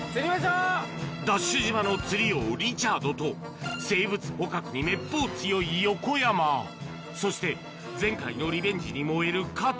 ＤＡＳＨ島の釣り王、リチャードと、生物捕獲にめっぽう強い横山、そして前回のリベンジに燃える加藤。